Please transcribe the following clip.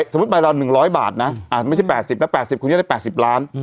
สมมุติใบเราหนึ่งร้อยบาทนะอ่าไม่ใช่แปดสิบแล้วแปดสิบคุณได้แปดสิบล้าน